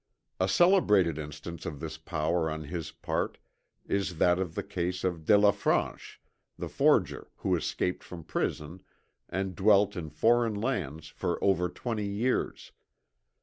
A celebrated instance of this power on his part is that of the case of Delafranche the forger who escaped from prison and dwelt in foreign lands for over twenty years.